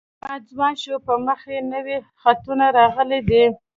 احمد ځوان شو په مخ یې نوي خطونه راغلي دي.